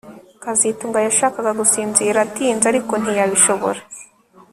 kazitunga yashakaga gusinzira atinze ariko ntiyabishobora